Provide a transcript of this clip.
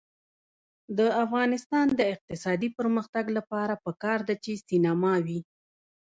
د افغانستان د اقتصادي پرمختګ لپاره پکار ده چې سینما وي.